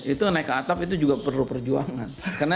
itu naik ke atap itu juga perlu perjuangan